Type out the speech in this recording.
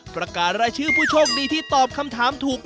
ประกาศรายชื่อผู้โชคดีที่ตอบคำถามถูก